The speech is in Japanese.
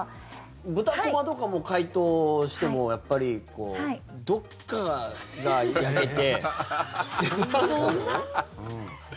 豚コマとかも解凍してもやっぱりどっかが焼けて。